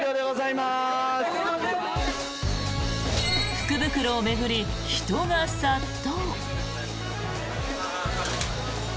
福袋を巡り、人が殺到。